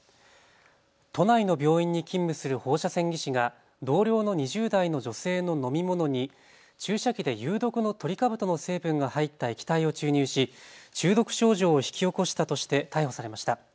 都内の病院に勤務する放射線技師が同僚の２０代の女性の飲み物に注射器で有毒のトリカブトの成分が入った液体を注入し中毒症状を引き起こしたとして逮捕されました。